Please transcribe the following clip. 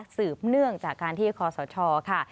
สืบเนื่องจากการที่คอสชค่ะ